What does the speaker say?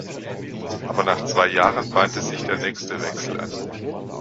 Aber nach zwei Jahren bahnte sich der nächste Wechsel an.